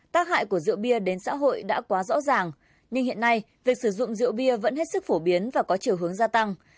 tác hại của rượu bia đến xã hội đã quá rõ ràng nhưng hiện nay việc sử dụng rượu bia vẫn hết sức phổ biến và có chiều hướng gia tăng